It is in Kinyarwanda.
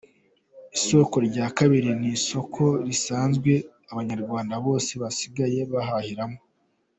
Isoko rya kabiri ni isoko risanzwe abanyarwanda bose basigaye bahahiramo.